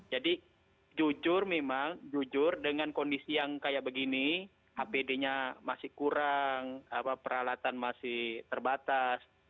jadi jujur memang jujur dengan kondisi yang kayak begini apd nya masih kurang peralatan masih terbatas